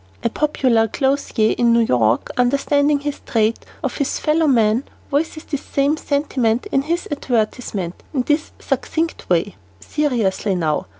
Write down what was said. '" A popular clothier in New York, understanding this trait of his fellow men, voices this same sentiment in his advertisement in this succinct way: "Seriously now.